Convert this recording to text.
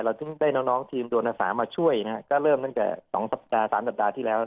เราถึงได้น้องน้องทีมโดนอสามาช่วยนะครับก็เริ่มตั้งแต่สองสัปดาห์สามสัปดาห์ที่แล้ว